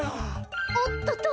おっとと！